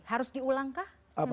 harus diulang kah